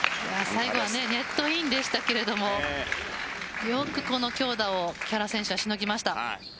最後はネットインでしたけどよく、この強打を木原選手は、しのぎました。